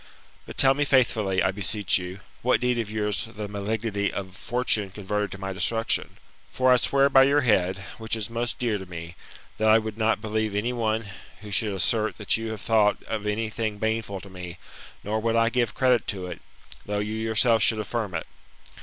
But tell me faithfully, I beseech you, what deed of yours the malignity of fortune converted to my destruction ? For I swear by your head, which is most dear to me, that I would not believe any one who should assert that you have thought of any thing baneful to me, nor would I give credit to it, though you yourself should affirm it.